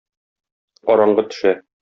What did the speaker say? Караңгы төшә.